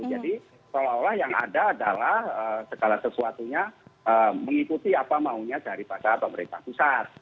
jadi seolah olah yang ada adalah segala sesuatunya mengikuti apa maunya daripada pemerintah pusat